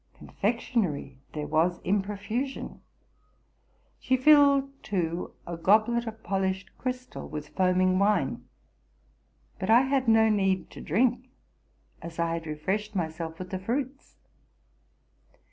Confectionery there was in profusion: she filled, too, a goblet of polished crystal with foaming wine ; but I had no need to drink, as I had refreshed myself with the fruits.